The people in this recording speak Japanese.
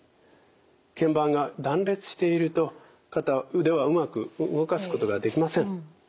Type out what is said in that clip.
けん板が断裂していると腕はうまく動かすことができません。